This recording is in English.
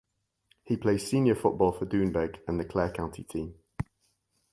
He plays senior football for Doonbeg and the Clare county team.